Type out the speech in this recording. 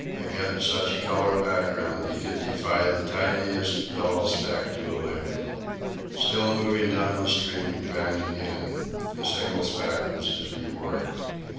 Against such a color background he could defy the tiniest yellow speck to elude him. Still moving down the stream, he panned again. A single speck was his reward.